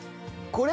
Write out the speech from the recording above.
これ？